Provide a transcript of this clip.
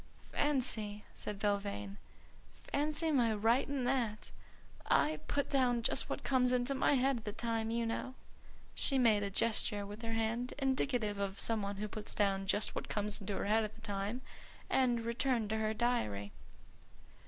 "Fancy!" said Belvane. "Fancy my writing that! I put down just what comes into my head at the time, you know." She made a gesture with her hand indicative of some one who puts down just what comes into her head at the time, and returned to her diary.